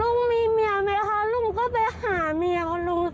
ลุกมีเมียไหมคะลุกก็ไปหาเมียของลุกสิครับ